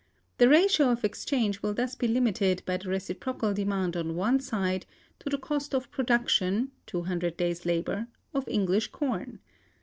The ratio of exchange will thus be limited by the reciprocal demand on one side to the cost of production (200 days' labor) of English corn.